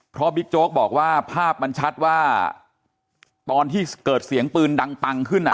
เพราะบิ๊กโจ๊กบอกว่าภาพมันชัดว่าตอนที่เกิดเสียงปืนดังปังขึ้นอ่ะ